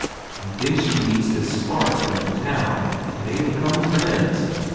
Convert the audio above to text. And then she meets this spark from the town, and they become friends.